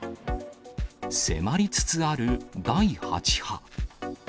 迫りつつある第８波。